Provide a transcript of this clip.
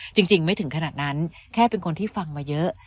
จริงไม่ถึงขนาดนั้นแค่เป็นคนที่ฟังมาเยอะ